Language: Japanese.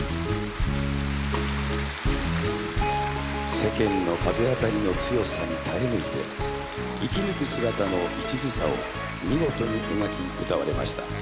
世間の風当たりの強さに耐え抜いて生き抜く姿のいちずさを見事に描き歌われました。